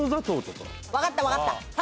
分かった分かった。